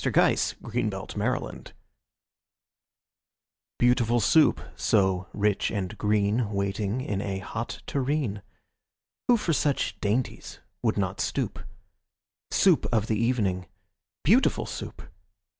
] Lewis Carroll Beautiful Soup BEAUTIFUL Soup, so rich and green, Waiting in a hot tureen! Who for such dainties would not stoop? Soup of the evening, beautiful Soup!